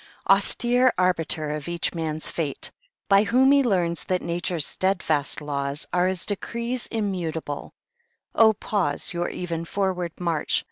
Austere arbiter of each man's fate, By whom he learns that Nature's steadfast laws Are as decrees immutable; O pause Your even forward march!